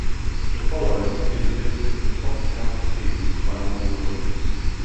The following is a list of the top county teams by number of wins.